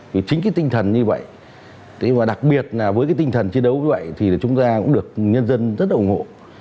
vì chính cái tinh thần như vậy và đặc biệt là với cái tinh thần chiến đấu như vậy thì chúng ta cũng được nhân dân rất là ủng hộ